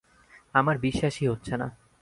আমার বিশ্বাসই হচ্ছে না।